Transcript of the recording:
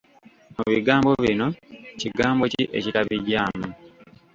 Mu bigambo bino, kigambo ki ekitabigyamu.